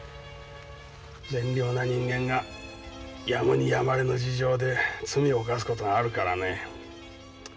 善良な人間がやむにやまれぬ事情で罪を犯す事があるからね。